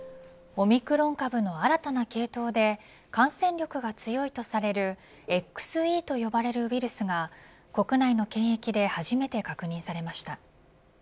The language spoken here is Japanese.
オミクロン株の新たな系統で感染力が強いとされるＸＥと呼ばれるウイルスが国内の検疫で初めて確認されました。